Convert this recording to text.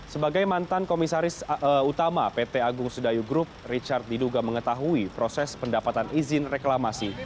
sebagai mantan komisaris utama pt agung sedayu group richard diduga mengetahui proses pendapatan izin reklamasi